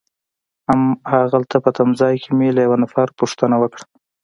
هماغلته په تمځای کي مې له یوه نفر پوښتنه وکړه.